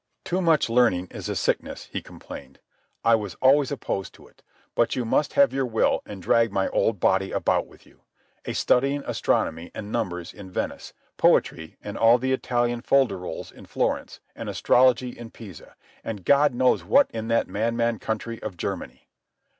"Too much learning is a sickness," he complained. "I was always opposed to it. But you must have your will and drag my old body about with you—a studying astronomy and numbers in Venice, poetry and all the Italian fol de rols in Florence, and astrology in Pisa, and God knows what in that madman country of Germany.